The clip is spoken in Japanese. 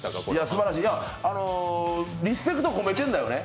リスペクト込めてるんだよね？